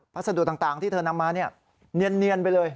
พัสดุต่างที่เธอนำมาเนียนไปเลย